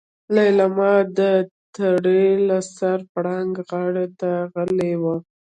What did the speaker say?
ليلما د تړې له سره پړانګ غار ته غلې وه.